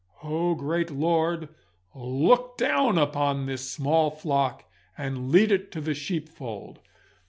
Oh, great Lord, look down upon this small flock and lead it to the sheep fold!